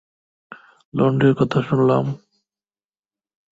লন্ড্রির কথা শুনলাম।